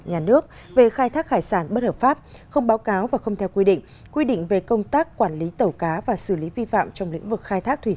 nhà nước về khai thác hải sản bất hợp pháp không báo cáo và không theo quy định